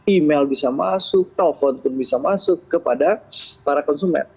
email bisa masuk telepon pun bisa masuk kepada para konsumen